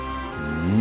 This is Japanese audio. うん。